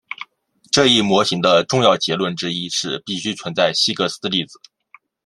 这一模型的重要结论之一是必须存在希格斯粒子。